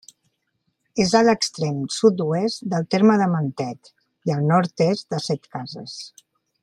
És a l'extrem sud-oest del terme de Mentet, i al nord-est del de Setcases.